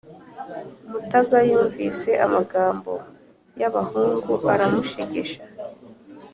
mutaga yumvise amagambo y' abahungu aramushegesha